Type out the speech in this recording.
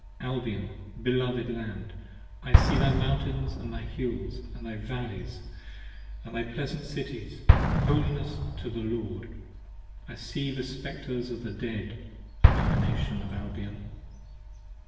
Albion, beloved Land! I see thy mountains & thy hills And valleys & thy pleasant Cities, Holiness to the Lord. I see the Spectres of thy Dead, O Emanation of Albion.